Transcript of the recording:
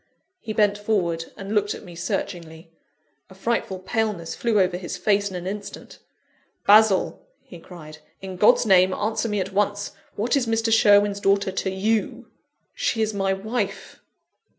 He bent forward, and looked at me searchingly. A frightful paleness flew over his face in an instant. "Basil!" he cried, "in God's name, answer me at once! What is Mr. Sherwin's daughter to you?" "She is my wife!"